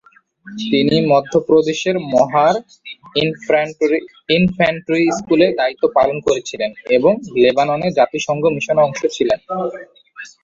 তিনি মধ্যপ্রদেশের মহা- র ইনফ্যান্ট্রি স্কুলে দায়িত্ব পালন করেছিলেন এবং লেবাননে জাতিসংঘ মিশনের অংশ ছিলেন।